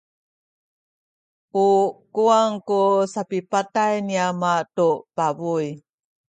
u kuwang ku sapipatay ni ama tu pabuy.